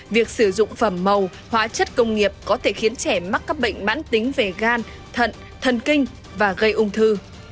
việc sử dụng phẩm màu hóa chất công nghiệp có thể khiến trẻ mắc các bệnh mãn tính về gan thận kinh và gây ung thư